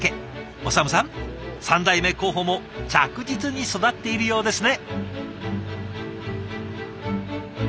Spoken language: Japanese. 長武さん３代目候補も着実に育っているようですね。